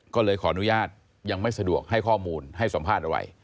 ก็เลยขออนุญาตยังไม่สะดวกให้ข้อมูลให้สัมภาษณ์อะไร